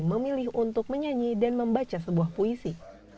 memilih untuk menyanyi dan membaca sebuah puisi